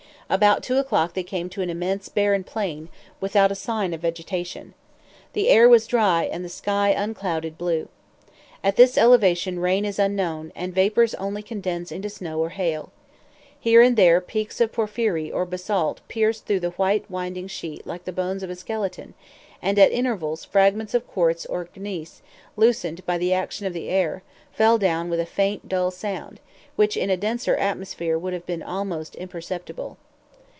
About two o'clock they came to an immense barren plain, without a sign of vegetation. The air was dry and the sky unclouded blue. At this elevation rain is unknown, and vapors only condense into snow or hail. Here and there peaks of porphyry or basalt pierced through the white winding sheet like the bones of a skeleton; and at intervals fragments of quartz or gneiss, loosened by the action of the air, fell down with a faint, dull sound, which in a denser atmosphere would have been almost imperceptible.